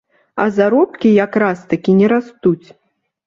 А заробкі якраз-такі не растуць.